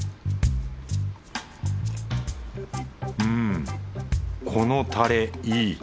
うんこのタレいい